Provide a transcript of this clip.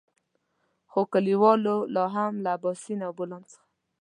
خو کليوالو لاهم له اباسين او بولان څخه.